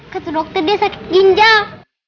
kata dokter dia sakit ginjal